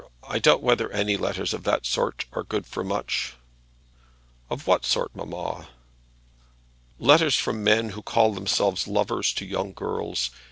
I doubt whether any letters of that sort are good for much." "Of what sort, mamma?" "Letters from men who call themselves lovers to young girls.